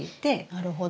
なるほど。